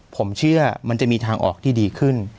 ผมเชื่อมันจะมีทางออกที่ดีขึ้น